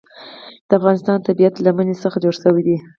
د افغانستان طبیعت له منی څخه جوړ شوی دی.